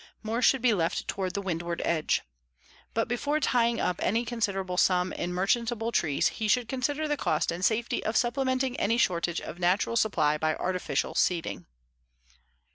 More should be left toward the windward edge. But before tieing up any considerable sum in merchantable trees he should consider the cost and safety of supplementing any shortage of natural supply by artificial seeding.